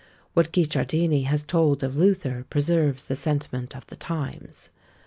What Guicciardini has told of Luther preserves the sentiment of the times.